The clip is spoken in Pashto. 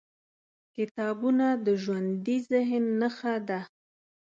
کتابونه د ژوندي ذهن نښه ده.